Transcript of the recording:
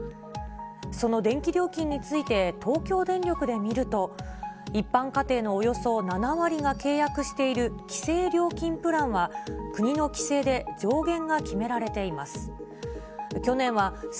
その電気料金について、東京電力で見ると、一般家庭のおよそ７割が契約している規制料金プランは、国の規制で上限が決められています。